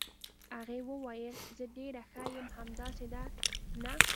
هغې وویل: زه ډېره ښه یم، همداسې ده، نه؟